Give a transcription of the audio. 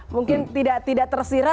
mungkin tidak tersira